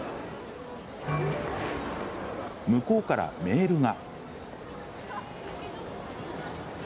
向こうからメールが。